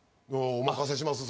お任せします。